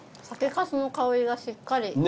酒かすの香りがしっかり。